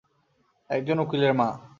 একজন উকিলের মা!